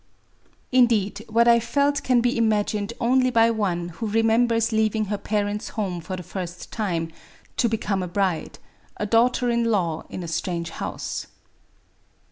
Indeed, what I felt can be imagined only by one who remembers leaving her parents' home for the first time, to become a bride, — a daughter in law in a strange house.